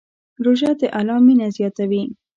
روژه د الله مینه زیاتوي.